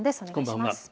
こんばんは。